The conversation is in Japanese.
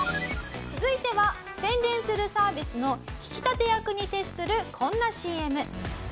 「続いては宣伝するサービスの引き立て役に徹するこんなＣＭ」